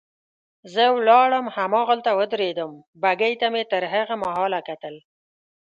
زه ولاړم هماغلته ودرېدم، بګۍ ته مې تر هغه مهاله کتل.